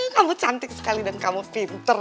kamu cantik sekali dan kamu pinter